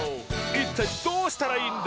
いったいどうしたらいいんだ？